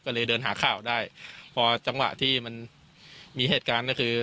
ก็เลยเดินหาข่าวได้พอจังหวะที่มันมีเหตุการณ์ก็คือ